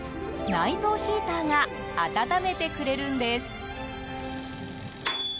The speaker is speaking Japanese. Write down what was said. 内蔵ヒーターが温めてくれるんです。